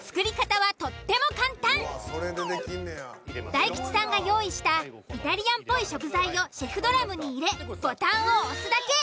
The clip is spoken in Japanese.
大吉さんが用意したイタリアンっぽい食材をシェフドラムに入れボタンを押すだけ！